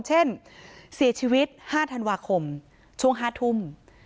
เช่นเสียชีวิต๕ธันวาคมช่วง๕ทุ่ม